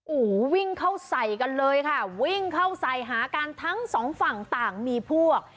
โอ้โหวิ่งเข้าใส่กันเลยค่ะวิ่งเข้าใส่หากันทั้งสองฝั่งต่างมีพวก